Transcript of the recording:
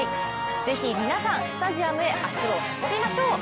ぜひ皆さん、スタジアムへ足を運びましょう！